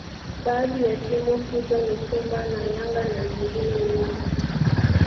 baadhi ya timu hizo ni simba na yanga na nyengine nyingi